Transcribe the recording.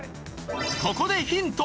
ここでヒント。